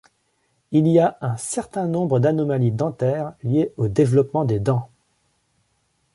Il y a un certain nombre d'anomalies dentaires liées au développement des dents.